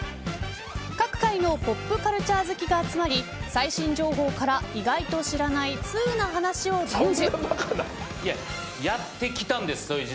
各界のポップカルチャー好きが集まり最新情報から意外と知らないツウな話を伝授。